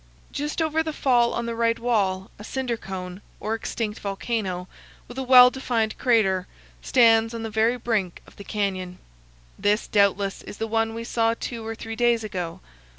Just over the fall on the right wall a cinder cone, or extinct volcano, with a well defined crater, stands on the very brink of the canyon. This, doubtless, is the one we saw two or three days ago.